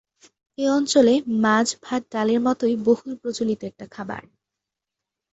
এই অঞ্চলে মাছ-ভাত-ডালের মতই বহুল প্রচলিত একটি খাবার।